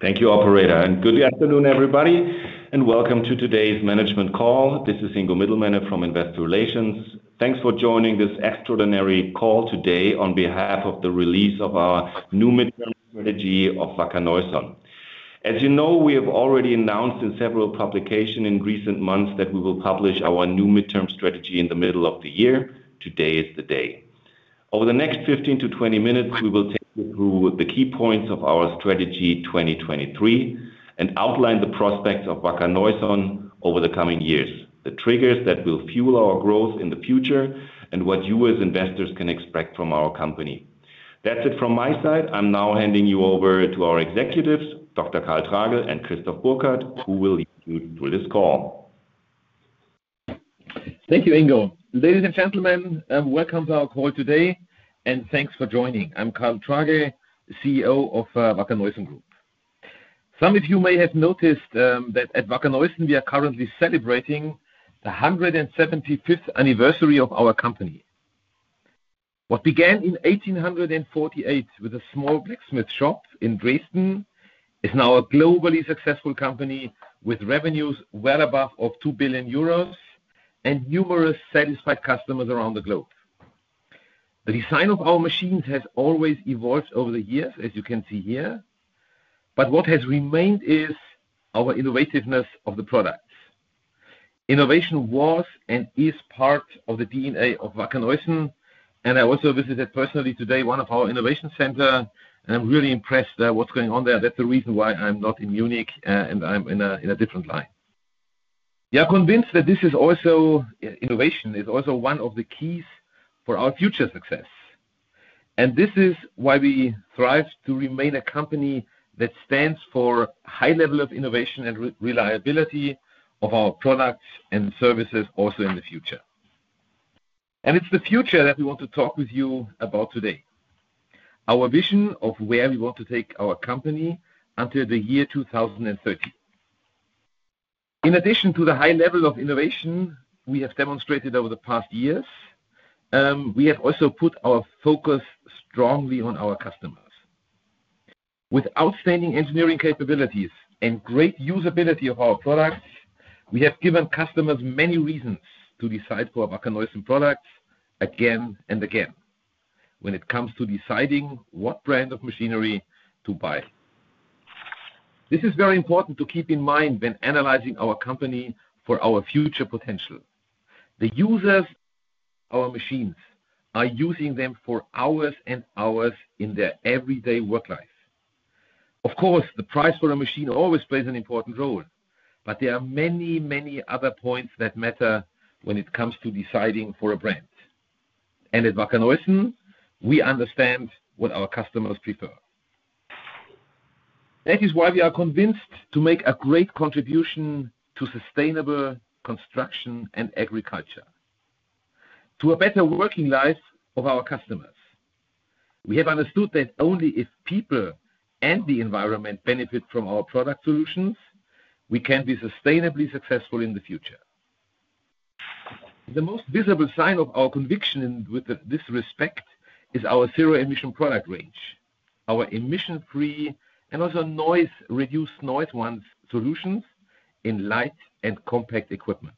Thank you, operator, good afternoon, everybody, and welcome to today's management call. This is Ingo Mittelmann from Investor Relations. Thanks for joining this extraordinary call today on behalf of the release of our new midterm strategy of Wacker Neuson. As you know, we have already announced in several publications in recent months that we will publish our new midterm strategy in the middle of the year. Today is the day. Over the next 15-20 minutes, we will take you through the key points of our Strategy 2023, and outline the prospects of Wacker Neuson over the coming years, the triggers that will fuel our growth in the future, and what you, as investors, can expect from our company. That's it from my side. I'm now handing you over to our executives, Dr. Karl Tragl and Christoph Burkhard, who will lead you through this call. Thank you, Ingo. Ladies and gentlemen, welcome to our call today. Thanks for joining. I'm Karl Tragl, CEO of Wacker Neuson Group. Some of you may have noticed that at Wacker Neuson, we are currently celebrating the 175th anniversary of our company. What began in 1848 with a small blacksmith shop in Dresden, is now a globally successful company with revenues well above 2 billion euros and numerous satisfied customers around the globe. The design of our machines has always evolved over the years, as you can see here. What has remained is our innovativeness of the products. Innovation was and is part of the DNA of Wacker Neuson. I also visited personally today, one of our innovation center. I'm really impressed at what's going on there. That's the reason why I'm not in Munich, and I'm in a different line. We are convinced that this is also. Innovation is also one of the keys for our future success, and this is why we thrive to remain a company that stands for high level of innovation and reliability of our products and services also in the future. It's the future that we want to talk with you about today. Our vision of where we want to take our company until the year 2030. In addition to the high level of innovation we have demonstrated over the past years, we have also put our focus strongly on our customers. With outstanding engineering capabilities and great usability of our products, we have given customers many reasons to decide for Wacker Neuson products again and again, when it comes to deciding what brand of machinery to buy. This is very important to keep in mind when analyzing our company for our future potential. The users of our machines are using them for hours and hours in their everyday work life. Of course, the price for a machine always plays an important role, but there are many, many other points that matter when it comes to deciding for a brand. At Wacker Neuson, we understand what our customers prefer. That is why we are convinced to make a great contribution to sustainable construction and agriculture, to a better working life of our customers. We have understood that only if people and the environment benefit from our product solutions, we can be sustainably successful in the future. The most visible sign of our conviction in this respect, is our zero-emission product range, our emission-free, and also noise, reduced noise ones solutions in light and compact equipment.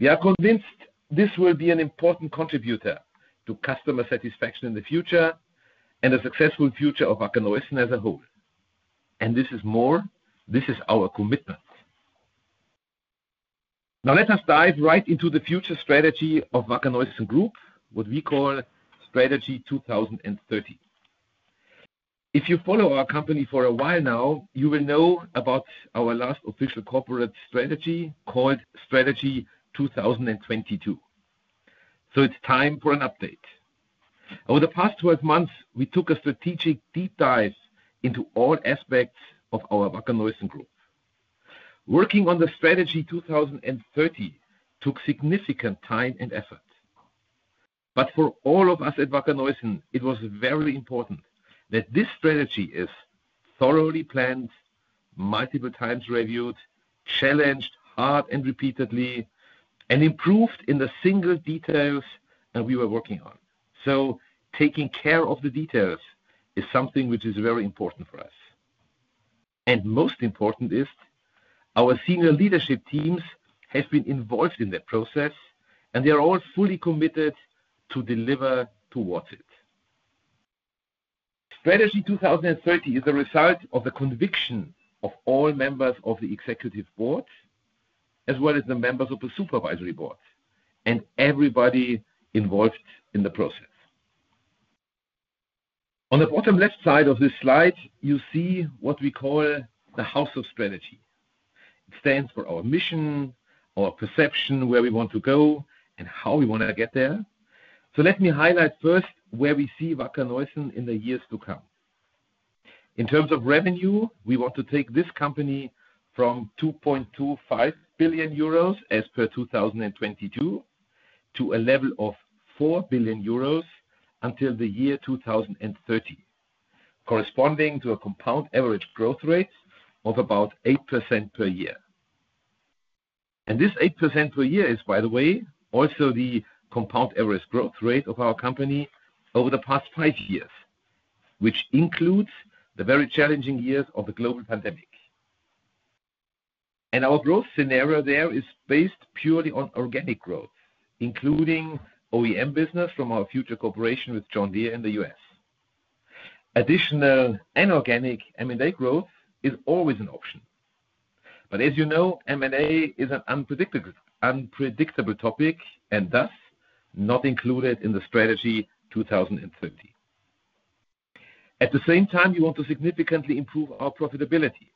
We are convinced this will be an important contributor to customer satisfaction in the future and a successful future of Wacker Neuson as a whole, and this is more, this is our commitment. Now, let us dive right into the future strategy of Wacker Neuson Group, what we call Strategy 2030. If you follow our company for a while now, you will know about our last official corporate strategy, called Strategy 2022. It's time for an update. Over the past 12 months, we took a strategic deep dive into all aspects of our Wacker Neuson Group. Working on the Strategy 2030 took significant time and effort. For all of us at Wacker Neuson, it was very important that this strategy is thoroughly planned, multiple times reviewed, challenged hard and repeatedly, and improved in the single details that we were working on. Taking care of the details is something which is very important for us. Most important is, our senior leadership teams have been involved in that process, and they are all fully committed to deliver towards it. Strategy 2030 is a result of the conviction of all members of the executive board, as well as the members of the supervisory board and everybody involved in the process. On the bottom left side of this slide, you see what we call the House of Strategy. It stands for our mission, our perception, where we want to go, and how we want to get there. Let me highlight first, where we see Wacker Neuson in the years to come. In terms of revenue, we want to take this company from 2.25 billion euros as per 2022, to a level of 4 billion euros until the year 2030, corresponding to a compound average growth rate of about 8% per year. This 8% per year is, by the way, also the compound average growth rate of our company over the past five years, which includes the very challenging years of the global pandemic. Our growth scenario there is based purely on organic growth, including OEM business from our future cooperation with John Deere in the U.S. Additional inorganic M&A growth is always an option, as you know, M&A is an unpredicted, unpredictable topic, and thus, not included in the Strategy 2030. At the same time, we want to significantly improve our profitability.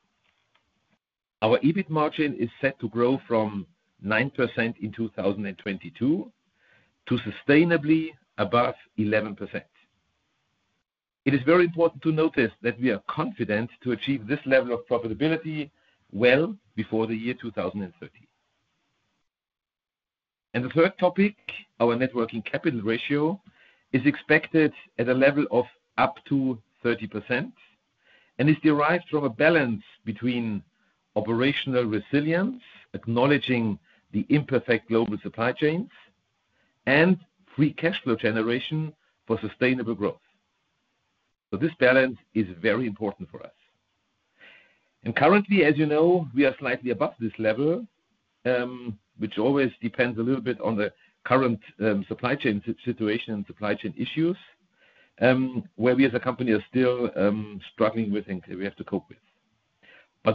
Our EBIT margin is set to grow from 9% in 2022, to sustainably above 11%. It is very important to notice that we are confident to achieve this level of profitability well before the year 2030. The third topic, our net working capital ratio, is expected at a level of up to 30%, and is derived from a balance between operational resilience, acknowledging the imperfect global supply chains, and free cash flow generation for sustainable growth. This balance is very important for us. Currently, as you know, we are slightly above this level, which always depends a little bit on the current supply chain situation and supply chain issues, where we as a company are still struggling with and we have to cope with.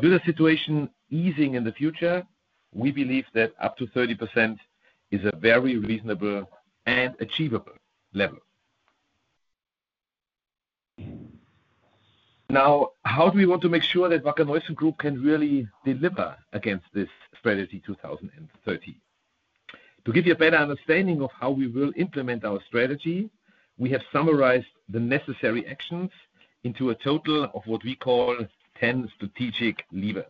With the situation easing in the future, we believe that up to 30% is a very reasonable and achievable level. How do we want to make sure that Wacker Neuson Group can really deliver against this Strategy 2030? To give you a better understanding of how we will implement our strategy, we have summarized the necessary actions into a total of what we call 10 strategic levers.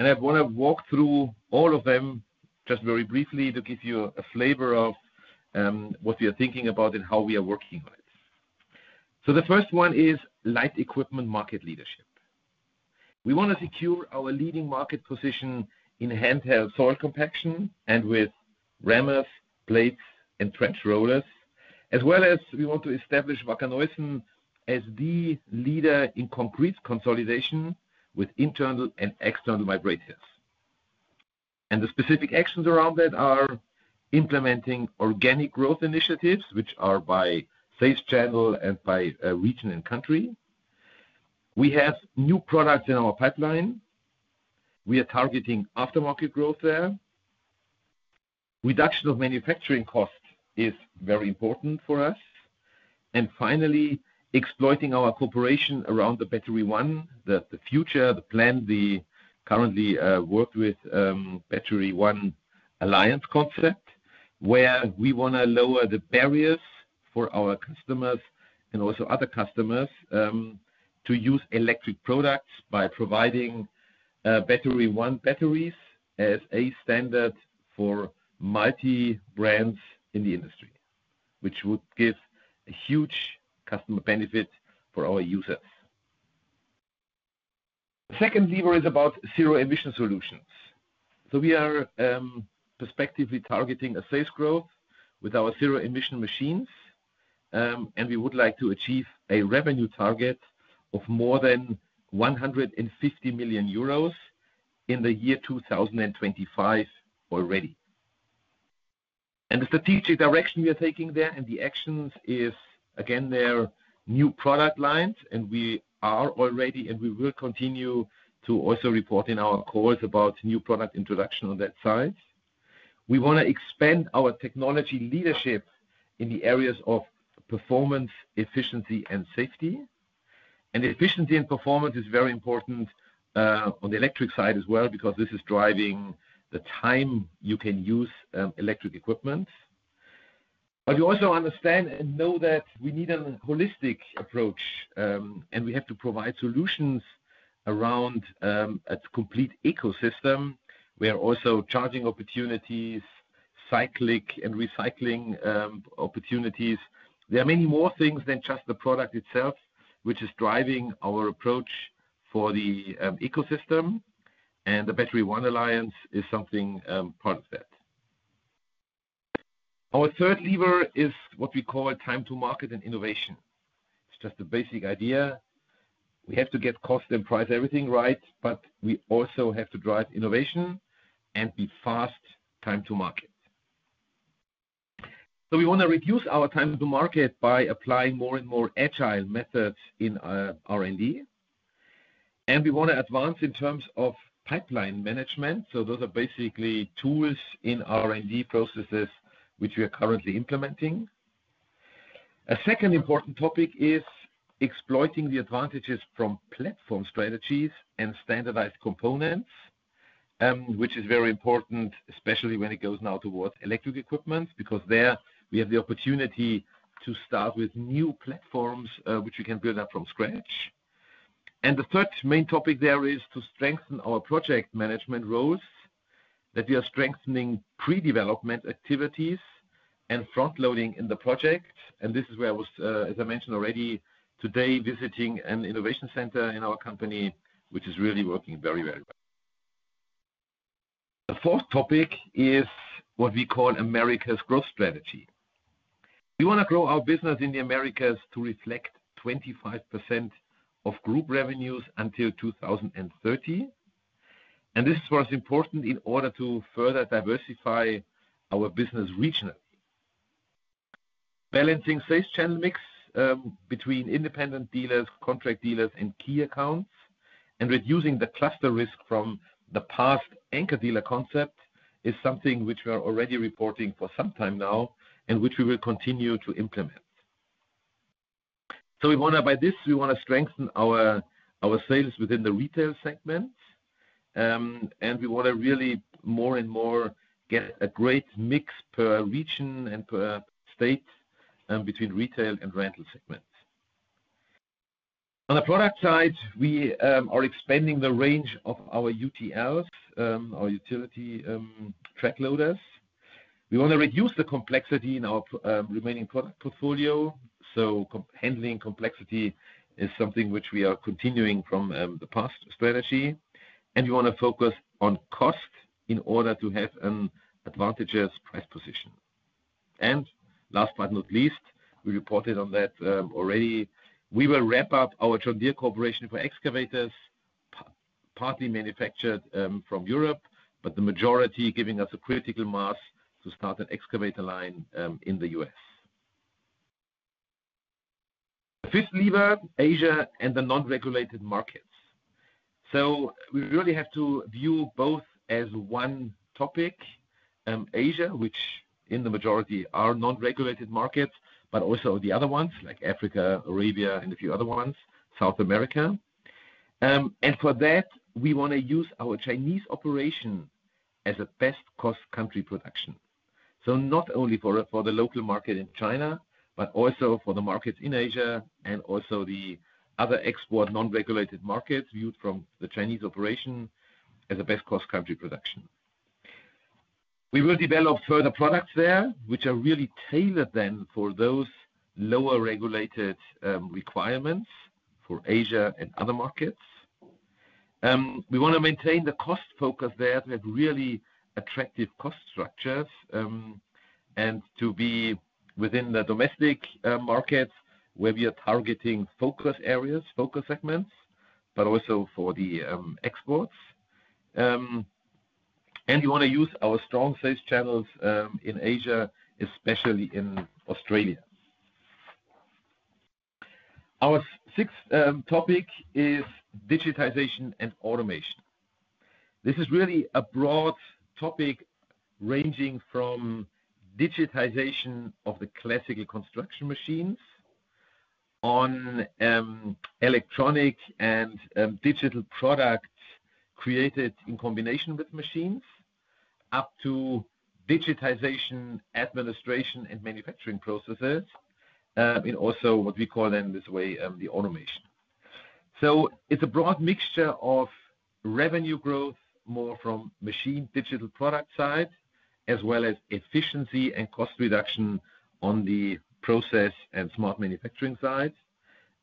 I want to walk through all of them just very briefly, to give you a flavor of what we are thinking about and how we are working on it. The first one is Light Equipment market leadership. We want to secure our leading market position in handheld soil compaction and with rammers, plates, and trench rollers, as well as we want to establish Wacker Neuson as the leader in concrete consolidation with internal and external vibrators. The specific actions around that are implementing organic growth initiatives, which are by sales channel and by region and country. We have new products in our pipeline. We are targeting aftermarket growth there. Reduction of manufacturing cost is very important for us. Finally, exploiting our cooperation around the Battery One, the future, the plan we currently work with, Battery One alliance concept, where we wanna lower the barriers for our customers and also other customers, to use electric products by providing Battery One batteries as a standard for multi-brands in the industry, which would give a huge customer benefit for our users. The second lever is about zero emission solutions. We are perspectively targeting a sales growth with our zero emission machines, and we would like to achieve a revenue target of more than 150 million euros in the year 2025 already. The strategic direction we are taking there and the actions is, again, there are new product lines, and we are already, and we will continue to also report in our calls about new product introduction on that side. We want to expand our technology leadership in the areas of performance, efficiency, and safety. Efficiency and performance is very important on the electric side as well, because this is driving the time you can use electric equipment. We also understand and know that we need a holistic approach, and we have to provide solutions around a complete ecosystem, where also charging opportunities, cyclic and recycling opportunities. There are many more things than just the product itself, which is driving our approach for the ecosystem, and the Battery One alliance is something part of that. Our third lever is what we call time to market and innovation. It's just a basic idea. We have to get cost and price everything right, but we also have to drive innovation and be fast time to market. We want to reduce our time to market by applying more and more agile methods in R&D. We want to advance in terms of pipeline management. Those are basically tools in R&D processes, which we are currently implementing. A second important topic is exploiting the advantages from platform strategies and standardized components, which is very important, especially when it goes now towards electric equipment, because there we have the opportunity to start with new platforms, which we can build up from scratch. The third main topic there is to strengthen our project management roles, that we are strengthening pre-development activities.... Front loading in the project, and this is where I was, as I mentioned already today, visiting an innovation center in our company, which is really working very, very well. The fourth topic is what we call America's Growth Strategy. We want to grow our business in the Americas to reflect 25% of Group revenues until 2030. This was important in order to further diversify our business regionally. Balancing sales channel mix between independent dealers, contract dealers, and key accounts, and reducing the cluster risk from the past anchor dealer concept, is something which we are already reporting for some time now and which we will continue to implement. We want to by this, we want to strengthen our sales within the retail segments, and we want to really more and more get a great mix per region and per state, between retail and rental segments. On the product side, we are expanding the range of our UTLs, our utility track loaders. We want to reduce the complexity in our remaining product portfolio, so handling complexity is something which we are continuing from the past strategy, and we want to focus on cost in order to have an advantageous price position. Last but not least, we reported on that already. We will wrap up our John Deere cooperation for excavators, partly manufactured from Europe, but the majority giving us a critical mass to start an excavator line in the U.S. The fifth lever, Asia and the non-regulated markets. We really have to view both as one topic, Asia, which in the majority are non-regulated markets, but also the other ones like Africa, Arabia, and a few other ones, South America. For that, we want to use our Chinese operation as a best cost country production. Not only for the local market in China, but also for the markets in Asia and also the other export non-regulated markets, viewed from the Chinese operation as a best cost country production. We will develop further products there, which are really tailored then for those lower regulated requirements for Asia and other markets. We want to maintain the cost focus there to have really attractive cost structures, and to be within the domestic markets, where we are targeting focus areas, focus segments, but also for the exports. We want to use our strong sales channels in Asia, especially in Australia. Our sixth topic is digitization and automation. This is really a broad topic ranging from digitization of the classical construction machines on electronic and digital products created in combination with machines, up to digitization, administration, and manufacturing processes, and also what we call them this way, the automation. It's a broad mixture of revenue growth, more from machine digital product side, as well as efficiency and cost reduction on the process and smart manufacturing sides.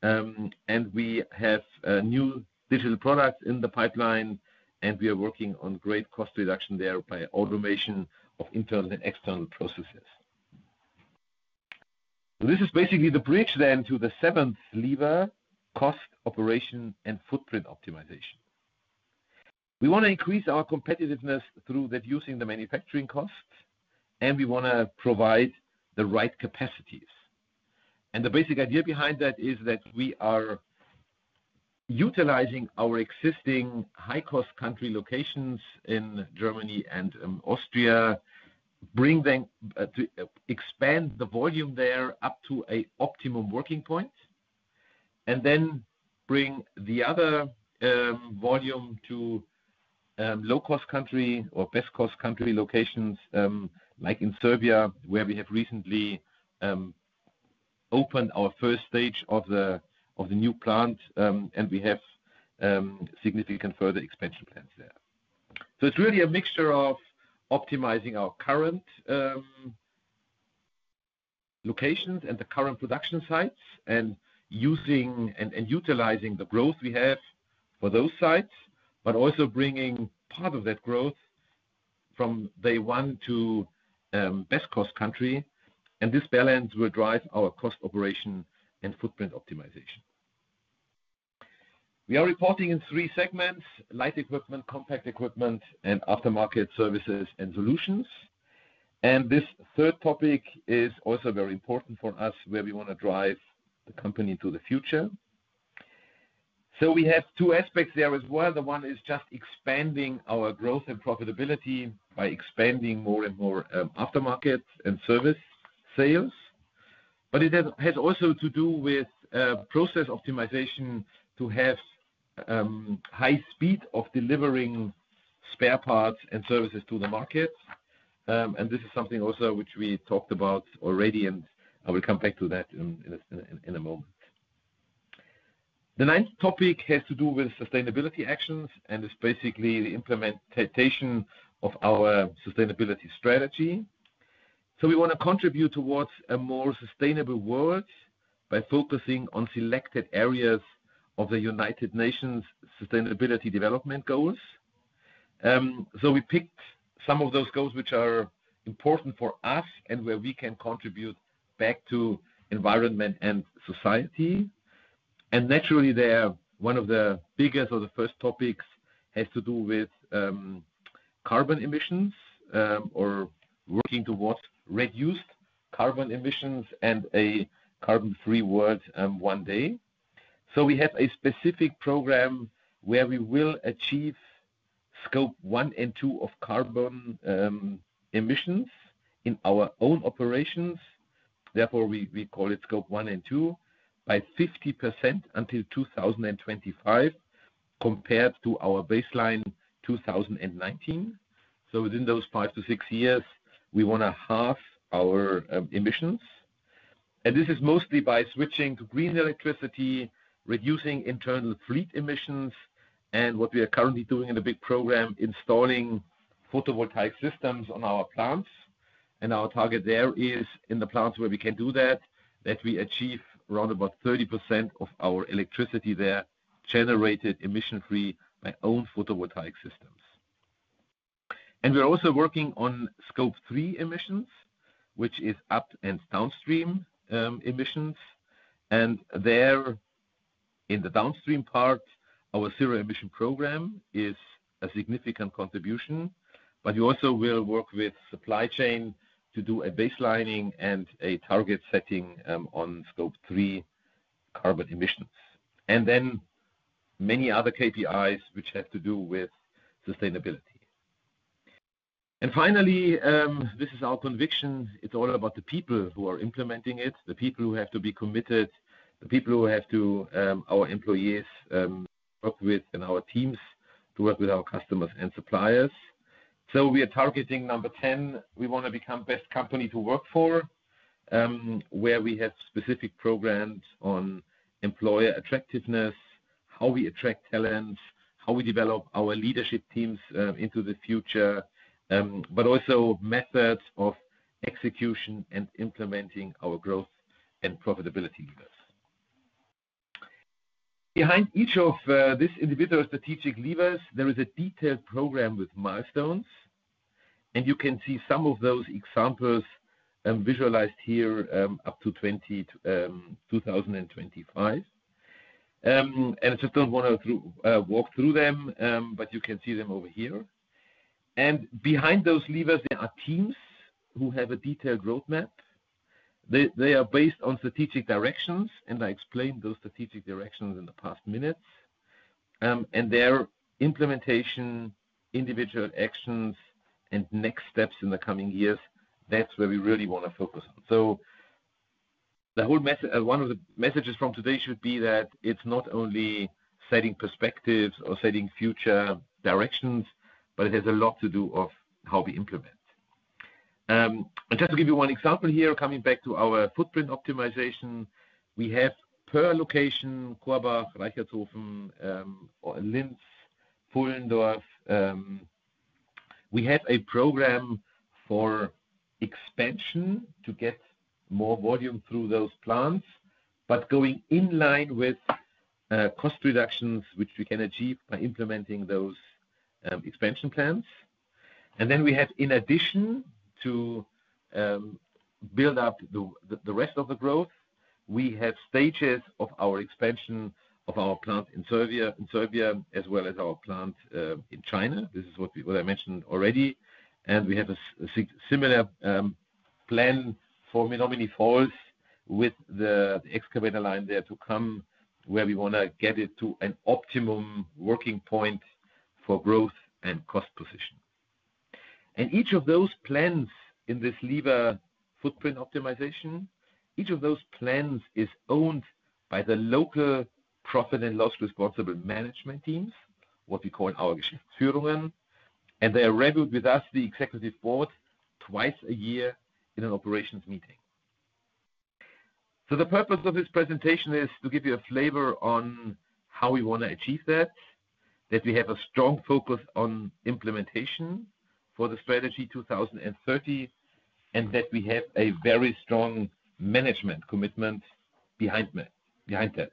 We have new digital products in the pipeline, and we are working on great cost reduction there by automation of internal and external processes. This is basically the bridge then to the seventh lever, cost, operation, and footprint optimization. We want to increase our competitiveness through reducing the manufacturing costs, and we want to provide the right capacities. The basic idea behind that is that we are utilizing our existing high-cost country locations in Germany and Austria, bring them to expand the volume there up to a optimum working point, and then bring the other volume to low-cost country or best cost country locations, like in Serbia, where we have recently opened our first stage of the new plant, and we have significant further expansion plans there. It's really a mixture of optimizing our current locations and the current production sites, and using and utilizing the growth we have for those sites, but also bringing part of that growth from day one to best cost country. And this balance will drive our cost operation and footprint optimization. We are reporting in three segments: Light Equipment, Compact Equipment, and aftermarket Services and solutions. And this third topic is also very important for us, where we want to drive the company to the future. We have two aspects there as well. The one is just expanding our growth and profitability by expanding more and more aftermarket and service sales. But it has also to do with process optimization to have high speed of delivering spare parts and services to the market. This is something also which we talked about already, and I will come back to that in a moment. The ninth topic has to do with sustainability actions. It's basically the implementation of our sustainability strategy. We want to contribute towards a more sustainable world by focusing on selected areas of the United Nations Sustainable Development Goals. We picked some of those goals which are important for us and where we can contribute back to environment and society. Naturally, they are one of the biggest or the first topics, has to do with carbon emissions, or working towards reduced carbon emissions and a carbon-free world one day. We have a specific program where we will achieve Scope 1 and 2 of carbon emissions in our own operations, therefore, we call it Scope 1 and 2, by 50% until 2025, compared to our baseline, 2019. Within those five to six years, we want to halve our emissions. This is mostly by switching to green electricity, reducing internal fleet emissions, and what we are currently doing in a big program, installing photovoltaic systems on our plants. Our target there is in the plants where we can do that we achieve around about 30% of our electricity there, generated emission-free by own photovoltaic systems. We're also working on Scope 3 emissions, which is up- and downstream emissions. There in the downstream part, our zero emission program is a significant contribution, but we also will work with supply chain to do a baselining and a target setting on Scope 3 carbon emissions, then many other KPIs which have to do with sustainability. Finally, this is our conviction. It's all about the people who are implementing it, the people who have to be committed, the people who have to, our employees, work with, and our teams to work with our customers and suppliers. We are targeting number 10. We want to become best company to work for, where we have specific programs on employer attractiveness, how we attract talent, how we develop our leadership teams into the future, but also methods of execution and implementing our growth and profitability levers. Behind each of these individual strategic levers, there is a detailed program with milestones, and you can see some of those examples visualized here up to 2025. I just don't want to walk through them, but you can see them over here. Behind those levers, there are teams who have a detailed roadmap. They are based on strategic directions, and I explained those strategic directions in the past minutes. Their implementation, individual actions, and next steps in the coming years, that's where we really want to focus on. One of the messages from today should be that it's not only setting perspectives or setting future directions, but it has a lot to do of how we implement. Just to give you one example here, coming back to our footprint optimization, we have per location, Korbach, Reichertshofen, or Linz, Pfullendorf, we have a program for expansion to get more volume through those plants, but going in line with cost reductions, which we can achieve by implementing those expansion plans. Then we have, in addition to build up the rest of the growth, we have stages of our expansion of our plant in Serbia, as well as our plant in China. This is what I mentioned already. We have a similar plan for Menomonee Falls with the excavator line there to come, where we want to get it to an optimum working point for growth and cost position. Each of those plans in this lever footprint optimization, each of those plans is owned by the local profit and loss responsible management teams, what we call our Geschäftsführungen, and they are reviewed with us, the executive board, twice a year in an operations meeting. The purpose of this presentation is to give you a flavor on how we want to achieve that we have a strong focus on implementation for the Strategy 2030, and that we have a very strong management commitment behind that.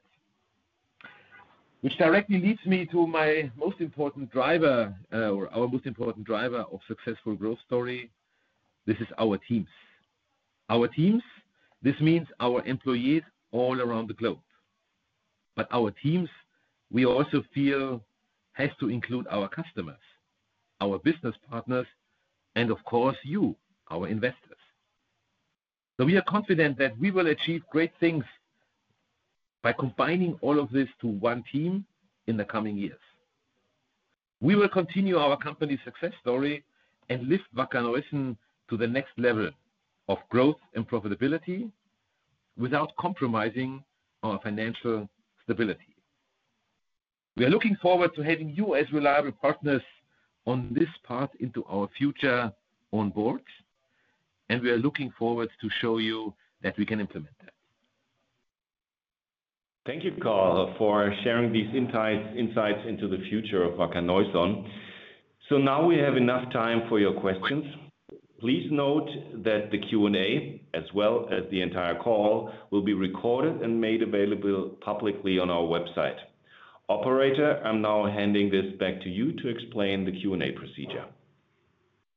Which directly leads me to my most important driver, or our most important driver of successful growth story. This is our teams. Our teams, this means our employees all around the globe. Our teams, we also feel, has to include our customers, our business partners, and of course, you, our investors. We are confident that we will achieve great things by combining all of this to one team in the coming years. We will continue our company success story and lift Wacker Neuson to the next level of growth and profitability without compromising our financial stability. We are looking forward to having you as reliable partners on this path into our future on board, and we are looking forward to show you that we can implement that. Thank you, Karl, for sharing these insights into the future of Wacker Neuson. Now we have enough time for your questions. Please note that the Q&A, as well as the entire call, will be recorded and made available publicly on our website. Operator, I'm now handing this back to you to explain the Q&A procedure.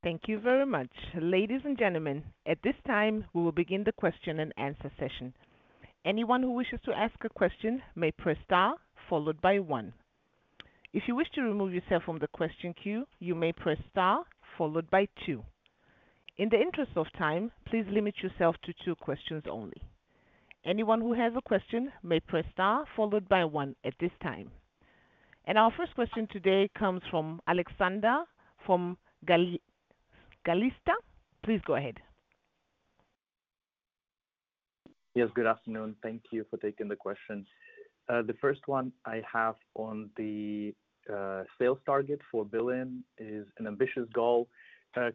Thank you very much. Ladies and gentlemen, at this time, we will begin the question and answer session. Anyone who wishes to ask a question may press star followed by one. If you wish to remove yourself from the question queue, you may press star followed by two. In the interest of time, please limit yourself to two questions only. Anyone who has a question may press star followed by one at this time. Our first question today comes from Alexander, from Gallista. Please go ahead. Yes, good afternoon. Thank you for taking the questions. The first one I have on the sales target, 4 billion, is an ambitious goal.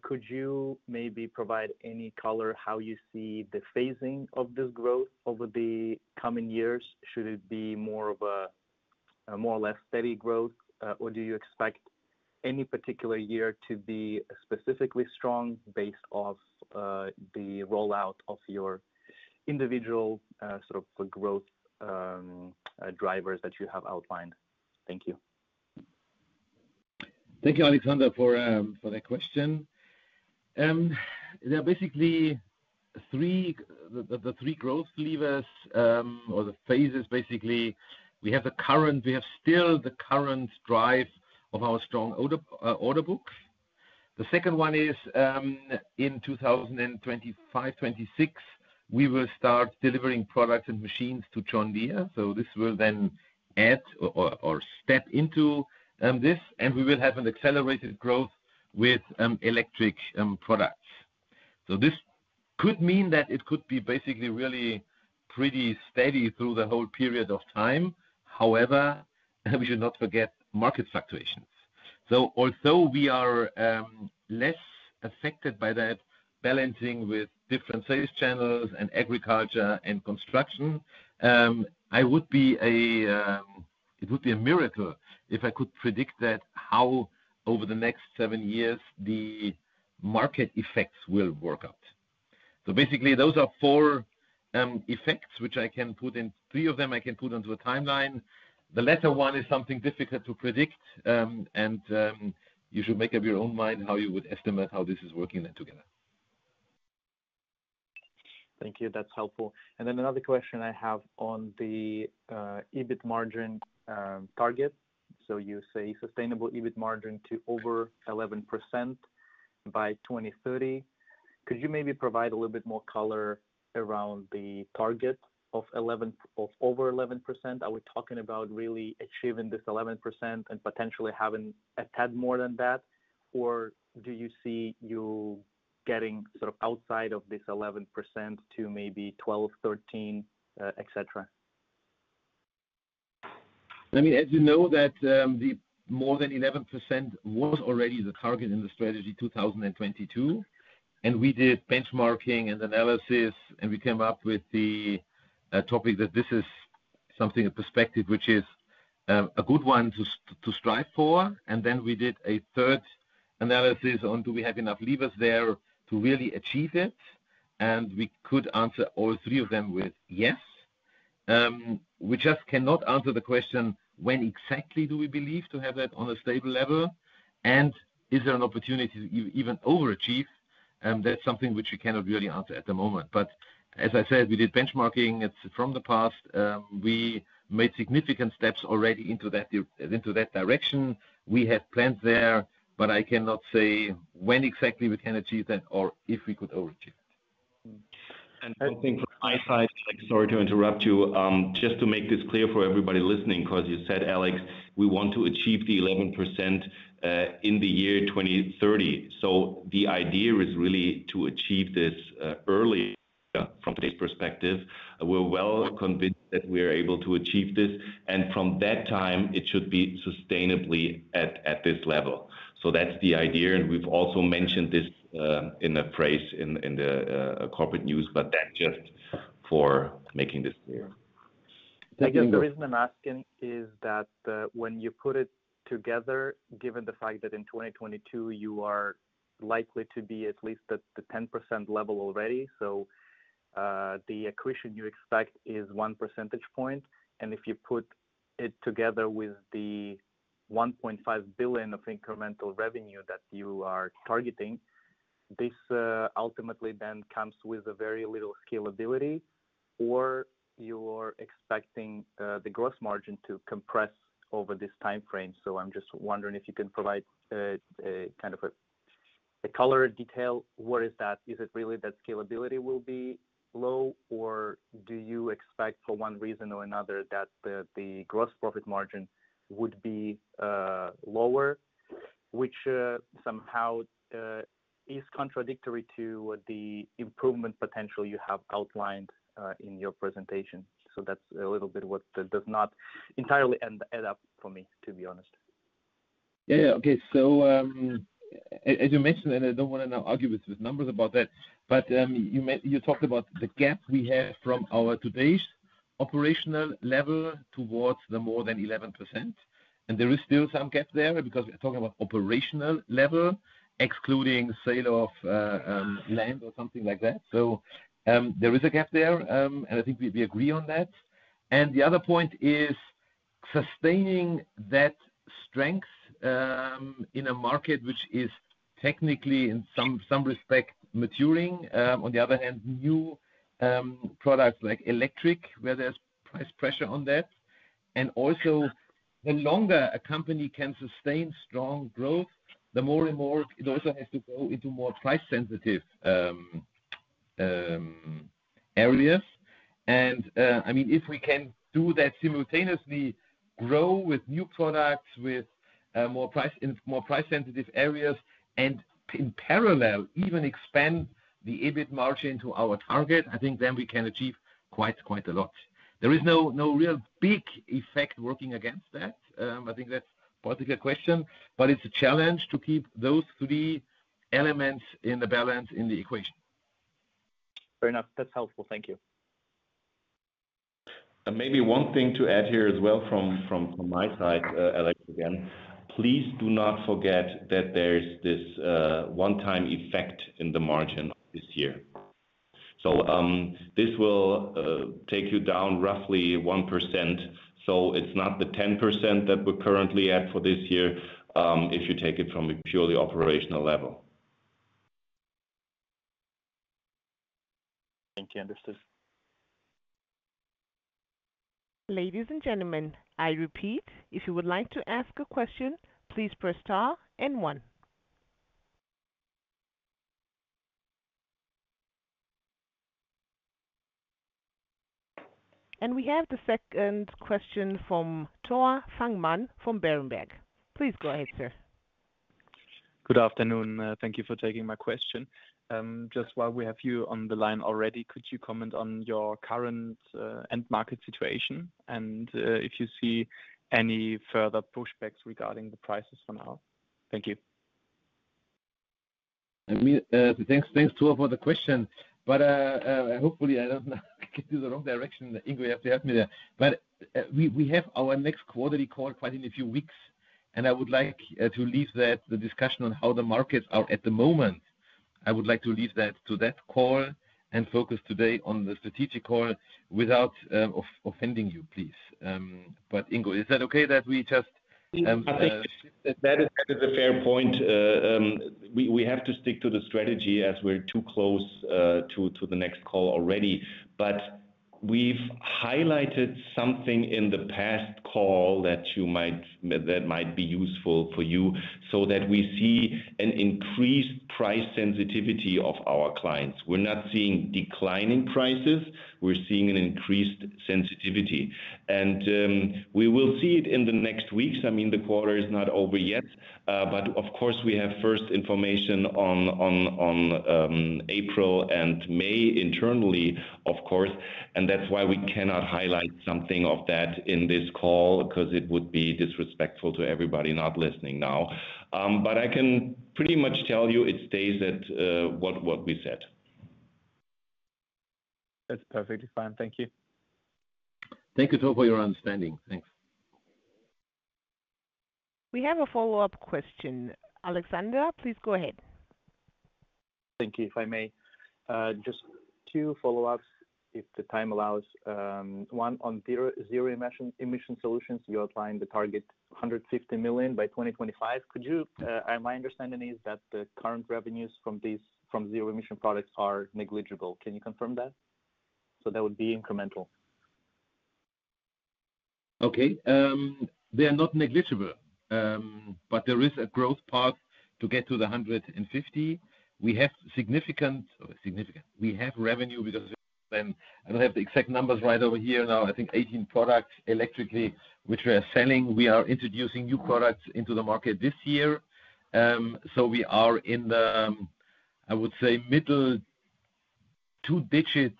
Could you maybe provide any color how you see the phasing of this growth over the coming years? Should it be more of a more or less steady growth? Or do you expect any particular year to be specifically strong based off the rollout of your individual sort of growth drivers that you have outlined? Thank you. Thank you, Alexander, for that question. There are basically three growth levers, or the phases, basically, we have still the current drive of our strong order books. The second one is, in 2025, 2026, we will start delivering products and machines to John Deere, this will then add or step into this, and we will have an accelerated growth with electric products. This could mean that it could be basically really pretty steady through the whole period of time. However, we should not forget market fluctuations. Although we are less affected by that balancing with different sales channels and agriculture and construction, it would be a miracle if I could predict that, how over the next seven years, the market effects will work out. Basically, those are four effects, which I can put in. Three of them, I can put onto a timeline. The latter one is something difficult to predict, and you should make up your own mind how you would estimate how this is working then together. Thank you. That's helpful. Then another question I have on the EBIT margin target. You say sustainable EBIT margin to over 11% by 2030. Could you maybe provide a little bit more color around the target of over 11%? Are we talking about really achieving this 11% and potentially having a tad more than that? Do you see you getting sort of outside of this 11% to maybe 12%, 13%, et cetera? Let me add, you know, that the more than 11% was already the target in the Strategy 2022. We did benchmarking and analysis. We came up with the topic that this is something, a perspective, which is a good one to strive for. Then we did a third analysis on, do we have enough levers there to really achieve it? We could answer all three of them with yes. We just cannot answer the question, when exactly do we believe to have that on a stable level? Is there an opportunity to even overachieve? That's something which we cannot really answer at the moment. As I said, we did benchmarking. It's from the past, we made significant steps already into that direction. We have plans there. I cannot say when exactly we can achieve that or if we could overachieve. I think from my side, sorry to interrupt you. Just to make this clear for everybody listening, because you said, Alex, we want to achieve the 11% in the year 2030. The idea is really to achieve this early from this perspective. We're well convinced that we are able to achieve this, and from that time, it should be sustainably at this level. That's the idea, and we've also mentioned this in a phrase in the corporate news, but that just for making this clear. I guess the reason I'm asking is that, when you put it together, given the fact that in 2022, you are likely to be at least at the 10% level already. The acquisition you expect is 1 percentage point, and if you put it together with the 1.5 billion of incremental revenue that you are targeting, this ultimately then comes with a very little scalability, or you're expecting the growth margin to compress over this time frame. I'm just wondering if you can provide a, kind of a color, a detail, what is that? Is it really that scalability will be low, or do you expect for one reason or another, that the gross profit margin would be lower? which somehow is contradictory to what the improvement potential you have outlined in your presentation. That's a little bit what does not entirely add up for me, to be honest. Yeah, yeah. Okay. As you mentioned, and I don't wanna now argue with numbers about that, but, you talked about the gap we have from our today's operational level towards the more than 11%, and there is still some gap there because we're talking about operational level, excluding sale of land or something like that. There is a gap there, and I think we agree on that. The other point is sustaining that strength in a market which is technically in some respect, maturing. On the other hand, new products like electric, where there's price pressure on that. Also, the longer a company can sustain strong growth, the more and more it also has to go into more price-sensitive areas. I mean, if we can do that simultaneously, grow with new products, with more price, in more price-sensitive areas, and in parallel, even expand the EBIT margin to our target, I think then we can achieve quite a lot. There is no real big effect working against that. I think that's part of your question, but it's a challenge to keep those three elements in the balance in the equation. Fair enough. That's helpful. Thank you. Maybe one thing to add here as well from my side, Alex, again, please do not forget that there is this one-time effect in the margin this year. This will take you down roughly 1%, so it's not the 10% that we're currently at for this year, if you take it from a purely operational level. Thank you. Understood. Ladies and gentlemen, I repeat, if you would like to ask a question, please press Star and One. We have the second question from Tore Fangmann from Berenberg. Please go ahead, sir. Good afternoon, thank you for taking my question. Just while we have you on the line already, could you comment on your current end market situation? If you see any further pushbacks regarding the prices for now? Thank you. I mean, thanks, Tore, for the question, but, hopefully, I don't get you the wrong direction. Ingo, you have to help me there. We have our next quarterly call quite in a few weeks, and I would like to leave that, the discussion on how the markets are at the moment, I would like to leave that to that call and focus today on the strategic call without offending you, please. Ingo, is that okay that we just I think that is a fair point. We have to stick to the strategy as we're too close to the next call already. We've highlighted something in the past call that might be useful for you, so that we see an increased price sensitivity of our clients. We're not seeing declining prices, we're seeing an increased sensitivity. We will see it in the next weeks. I mean, the quarter is not over yet, but of course, we have first information on April and May internally, of course, and that's why we cannot highlight something of that in this call, 'cause it would be disrespectful to everybody not listening now. I can pretty much tell you it stays at what we said. That's perfectly fine. Thank you. Thank you, Tore, for your understanding. Thanks. We have a follow-up question. Alexander, please go ahead. Thank you. If I may, just two follow-ups, if the time allows. One, on zero emission solutions, you outlined the target 150 million by 2025. Could you, and my understanding is that the current revenues from zero emission products are negligible. Can you confirm that? That would be incremental. Okay. They are not negligible, but there is a growth path to get to 150. We have revenue because then I don't have the exact numbers right over here now, I think 18 products electrically, which we are selling. We are introducing new products into the market this year. We are in the, I would say, middle two digits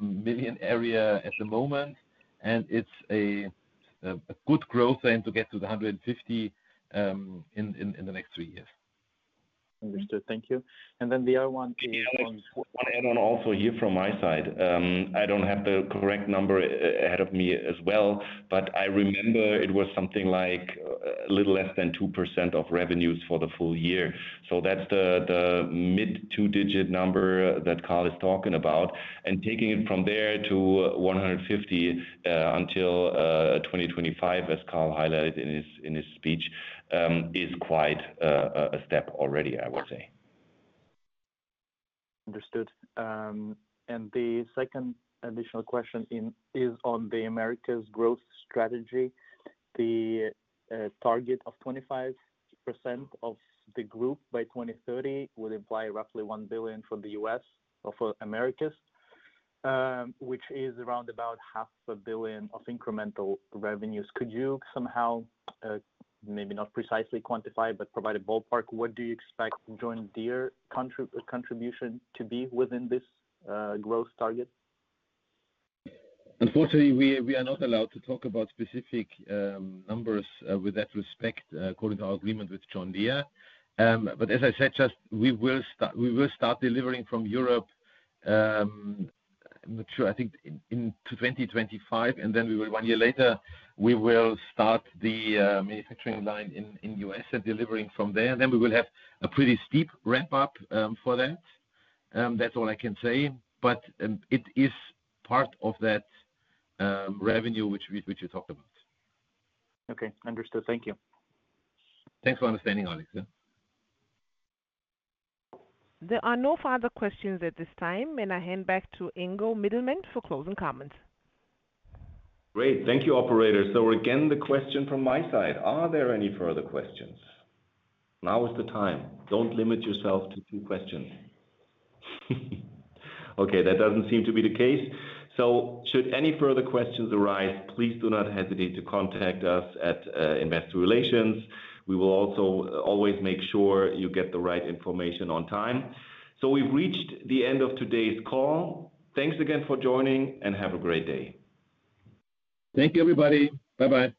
million area at the moment, and it's a good growth aim to get to 150 in the next three years. Understood. Thank you. Alex, one add on also here from my side. I don't have the correct number ahead of me as well, but I remember it was something like a little less than 2% of revenues for the full year. That's the mid-two-digit number that Karl is talking about. Taking it from there to 150 until 2025, as Karl highlighted in his, in his speech, is quite a step already, I would say. Understood. The second additional question is on the Americas growth strategy. The target of 25% of the Group by 2030 would imply roughly 1 billion from the U.S. or for Americas, which is around about half a billion of incremental revenues. Could you somehow, maybe not precisely quantify, but provide a ballpark, what do you expect John Deere contribution to be within this growth target? Unfortunately, we are not allowed to talk about specific numbers with that respect according to our agreement with John Deere. As I said, just we will start delivering from Europe, I'm not sure, I think in 2025, and then one year later, we will start the manufacturing line in U.S. and delivering from there. We will have a pretty steep ramp up for that. That's all I can say. It is part of that revenue which we talked about. Okay, understood. Thank you. Thanks for understanding, Alex. There are no further questions at this time. May I hand back to Ingo Mittelmann for closing comments. Great. Thank you, operator. Again, the question from my side, are there any further questions? Now is the time. Don't limit yourself to two questions. Okay, that doesn't seem to be the case. Should any further questions arise, please do not hesitate to contact us at Investor Relations. We will also always make sure you get the right information on time. We've reached the end of today's call. Thanks again for joining, and have a great day. Thank you, everybody. Bye-bye.